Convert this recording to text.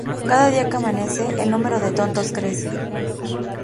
Cada día que amanece, el número de tontos crece